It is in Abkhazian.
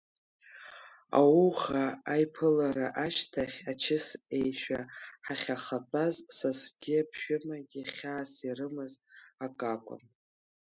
Ауха, аиԥылара ашьҭахь, ачыс-еишәа ҳахьахатәаз, сасгьы-ԥшәымагьы хьаас ирымаз акакәын…